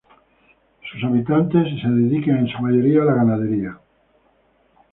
Sus habitantes se dedican en su mayoría a la ganadería.